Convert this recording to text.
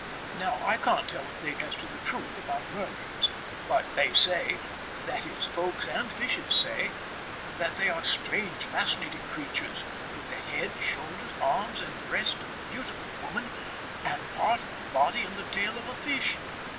Now, I can't tell a thing as to the truth about mermaids. But "they say," that is, Folks and fishes say, that they are strange, fascinating creatures, with the head, shoulders, arms, and breast of a beautiful woman, and part of the body and the tail of a fish.